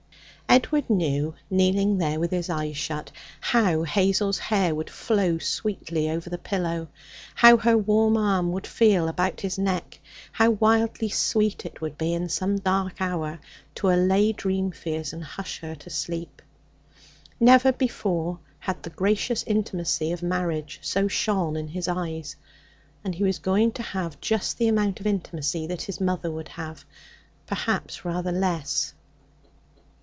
Edward knew, kneeling there with his eyes shut, how Hazel's hair would flow sweetly over the pillow; how her warm arm would feel about his neck; how wildly sweet it would be, in some dark hour, to allay dream fears and hush her to sleep. Never before had the gracious intimacy of marriage so shone in his eyes. And he was going to have just the amount of intimacy that his mother would have, perhaps rather less.